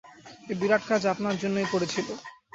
এই বিরাট কাজ আপনার জন্যই পড়ে ছিল।